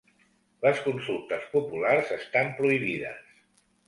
Les consultes populars estan prohibides